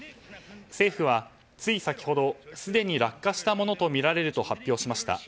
政府はつい先ほどすでに落下したとみられると発表しました。